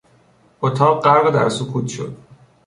اتاق غرق در سکوت شد.